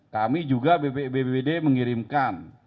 kami juga bpbpd mengirimkan